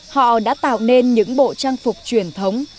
họ đã tạo nên những bộ trang phục truyền thống